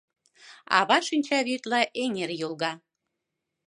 Ава шинчавӱдла эҥер йолга.